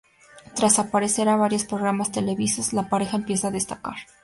Tras aparecer en varios programas televisivos la pareja empieza a destacar.